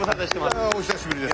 いやお久しぶりです。